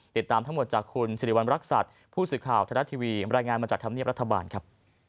ติดตามทั้งหมดจากคุณสิริวัณรักษัตริย์ผู้สื่อข่าวไทยรัฐทีวีรายงานมาจากธรรมเนียบรัฐบาลครับ